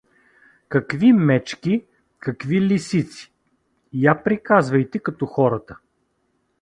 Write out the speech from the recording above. — Какви мечки, какви лисици… Я приказвайте като хората.